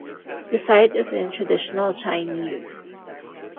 The site is in traditional Chinese.